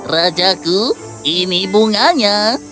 rajaku ini bunganya